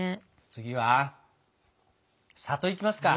次は「里」いきますか？